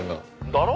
だろ？